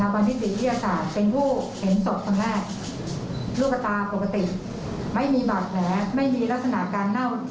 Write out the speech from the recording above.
เป็นภาพที่อยู่ในรถ